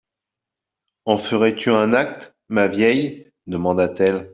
En ferais-tu un acte, ma vieille ? demanda-t-elle.